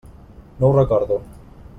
No ho recordo.